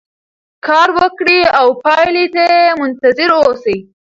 کار وکړئ او پایلې ته منتظر اوسئ.